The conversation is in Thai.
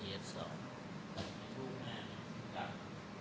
เสร็จแล้วไม่รับบัตรใช่ไหม